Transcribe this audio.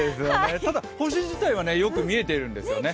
ただ星自体はよく見えてるんですよね。